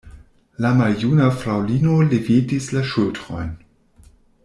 La maljuna fraŭlino levetis la ŝultrojn.